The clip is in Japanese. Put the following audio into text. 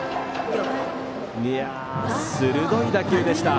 鋭い打球でした。